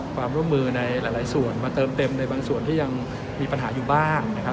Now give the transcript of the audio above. ความร่วมมือในหลายส่วนมาเติมเต็มในบางส่วนที่ยังมีปัญหาอยู่บ้างนะครับ